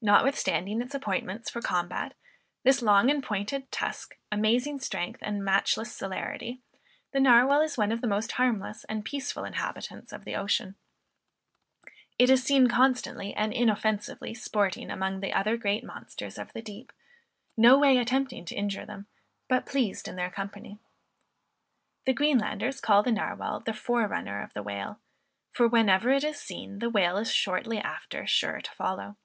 Notwithstanding its appointments for combat, this long and pointed tusk, amazing strength, and matchless celerity, the Narwal is one of the most harmless and peaceful inhabitants of the ocean. It is seen constantly and inoffensively sporting among the other great monsters of the deep, no way attempting to injure them, but pleased in their company. The Greenlanders call the Narwal the forerunner of the whale; for wherever it is seen, the whale is shortly after sure to follow.